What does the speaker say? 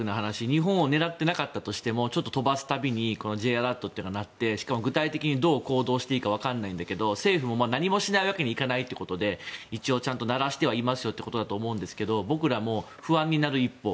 日本を狙っていなかったとしてもちょっと飛ばす度にこのＪアラートが鳴ってしかも具体的にどう行動していいかわからないんだけど政府も何もしないわけにはいかないということで一応ちゃんと鳴らしていますよということだと思いますが僕らも不安になる一方。